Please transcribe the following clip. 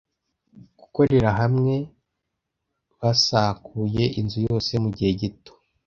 Gukorera hamwe, basukuye inzu yose mugihe gito.